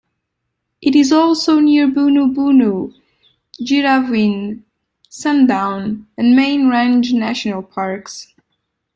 It is also near Boonoo Boonoo, Girraween, Sundown, and Main Range National Parks.